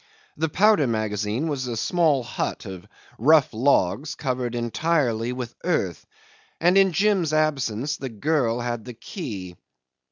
The powder magazine was a small hut of rough logs covered entirely with earth, and in Jim's absence the girl had the key.